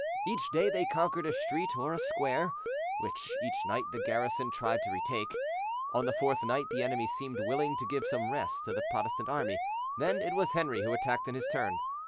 Each day they conquered a street or a square, which each night the garrison tried to retake. On the fourth night the enemy seemed willing to give some rest to the Protestant army. Then it was Henri who attacked in his turn.